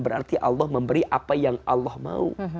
berarti allah memberi apa yang allah mau